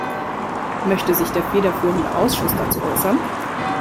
Möchte sich der federführende Ausschuss dazu äußern?